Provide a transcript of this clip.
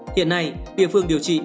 hiện nay địa phương điều trị